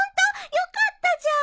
よかったじゃん！